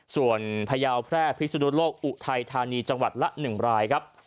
ส่วนพยาวแพร่พิสุนุโลกอุทัยธานีจังหวัดละ๑รายครับ